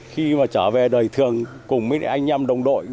khi mà trở về đời thường cùng với anh em đồng đội